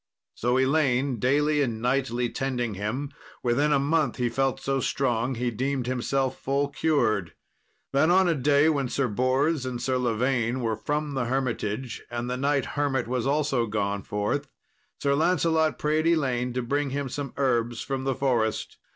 So Elaine daily and nightly tending him, within a month he felt so strong he deemed himself full cured. Then on a day, when Sir Bors and Sir Lavaine were from the hermitage, and the knight hermit also was gone forth, Sir Lancelot prayed Elaine to bring him some herbs from the forest.